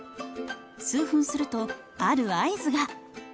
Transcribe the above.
数分するとある合図が。